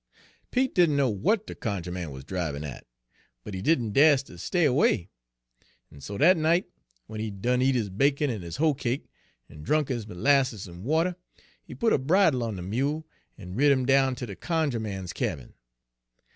Page 122 "Pete didn' know w'at de cunjuh man wuz dribin' at, but he didn' daster stay way; en so dat night, w'en he'd done eat his bacon en his hoe cake, en drunk his 'lasses en water, he put a bridle on de mule, en rid 'im down ter de cunjuh man's cabin.